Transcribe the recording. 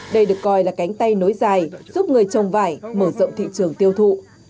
đây được coi là cánh tay nối dài giúp người trồng vải mở rộng thị trường tiêu thụ